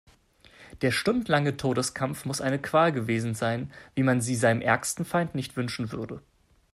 Der stundenlange Todeskampf muss eine Qual gewesen sein, wie man sie seinem ärgsten Feind nicht wünschen würde.